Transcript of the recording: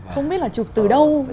không biết là chụp từ đâu